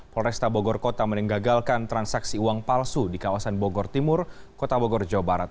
polresta bogor kota meninggalkan transaksi uang palsu di kawasan bogor timur kota bogor jawa barat